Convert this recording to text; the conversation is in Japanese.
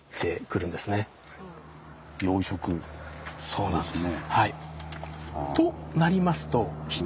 そうなんです。